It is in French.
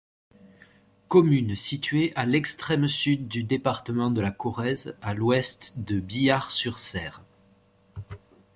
Commune située a l'extrême sud du département de la Corrèze a l'ouest de Biars-sur-Cère.